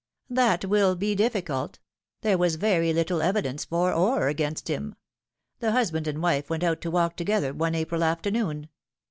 " That will be difficult. There was very little evidence for or against him. The husband and wife went out to walk to gether one April afternoon.